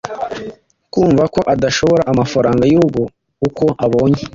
kumva ko adasho amafaranga y’urugo uko abonye